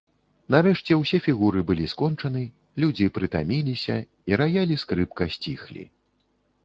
Нарэшце ўсе фігуры былі скончаны, людзі прытаміліся, і раяль і скрыпка сціхлі.